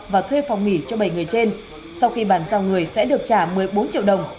và thuê phòng nghỉ cho bảy người trên sau khi bàn giao người sẽ được trả một mươi bốn triệu đồng